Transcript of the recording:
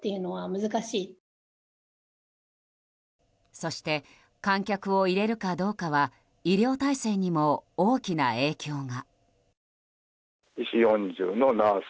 そして観客を入れるかどうかは医療体制にも大きな影響が。